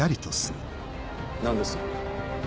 何です？